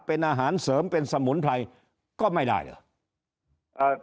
เป็นอาหารเสริมเป็นสมุนไพรก็ไม่ได้เหรอ